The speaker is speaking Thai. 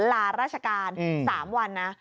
ลาราชการ๓วันนะ